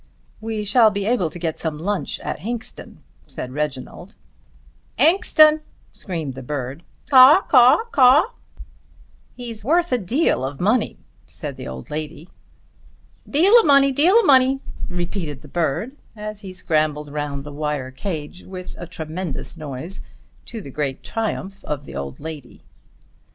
"We shall be able to get some lunch at Hinxton," said Reginald. "Inxton," screamed the bird "Caw, caw caw." "He's worth a deal of money," said the old lady. "Deal o' money, Deal o' money," repeated the bird as he scrambled round the wire cage with a tremendous noise, to the great triumph of the old lady.